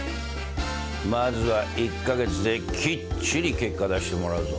まずは１カ月できっちり結果出してもらうぞ。